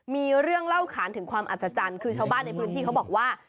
มีเรื่องเล่าขานถึงความอัศจรรย์คือชาวบ้านในพื้นที่เขาบอกว่า